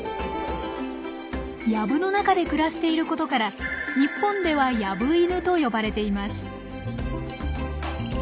ヤブの中で暮らしていることから日本では「ヤブイヌ」と呼ばれています。